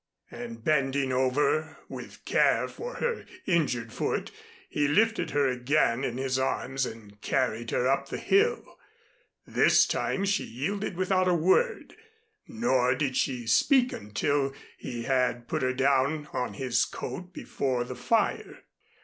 And bending over, with care for her injured foot, he lifted her again in his arms and carried her up the hill. This time she yielded without a word, nor did she speak until he had put her down on his coat before the fire.